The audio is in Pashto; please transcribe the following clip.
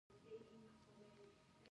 که فکر بدل شي، نو چلند به بدل شي.